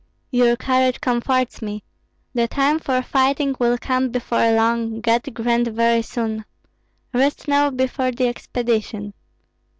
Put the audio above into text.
"Your courage comforts me. The time for fighting will come before long, God grant very soon. Rest now before the expedition.